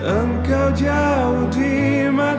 engkau jauh di mata